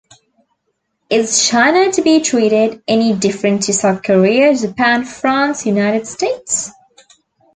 Is China to be treated any different to South Korea, Japan, France, United States?